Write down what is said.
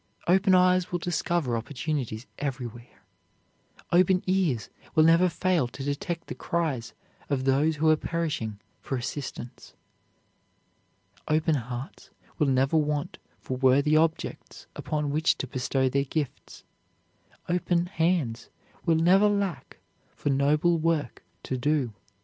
'" Open eyes will discover opportunities everywhere; open ears will never fail to detect the cries of those who are perishing for assistance; open hearts will never want for worthy objects upon which to bestow their gifts; open hands will never lack for noble work to do.